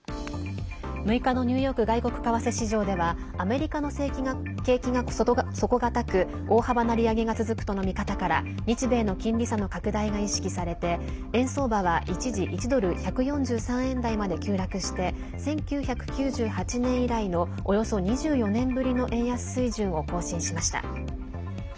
６日のニューヨーク外国為替市場ではアメリカの景気が底堅く大幅な利上げが続くとの見方から日米の金利差の拡大が意識されて円相場は一時１ドル＝１４３円台まで急落して１９９８年以来のおよそ２４年ぶりの円安水準を更新しました。